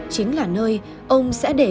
điên xuống xa đi